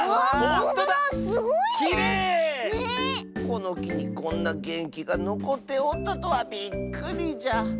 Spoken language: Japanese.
このきにこんなげんきがのこっておったとはびっくりじゃ。